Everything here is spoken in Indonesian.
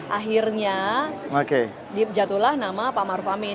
akhirnya jatuhlah nama pak maruf amin